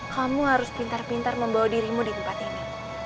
kamu harus pintar pintar membawa dirimu di tempat ini